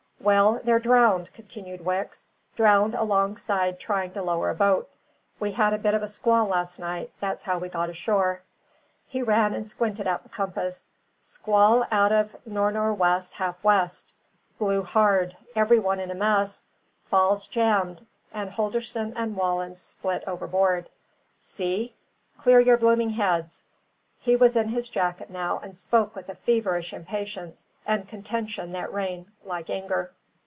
"Well, they're drowned," continued Wicks; "drowned alongside trying to lower a boat. We had a bit of a squall last night: that's how we got ashore." He ran and squinted at the compass. "Squall out of nor' nor' west half west; blew hard; every one in a mess, falls jammed, and Holdorsen and Wallen spilt overboard. See? Clear your blooming heads!" He was in his jacket now, and spoke with a feverish impatience and contention that rang like anger.